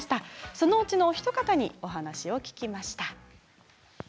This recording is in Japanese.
そのうちのお一方にお話を聞きました。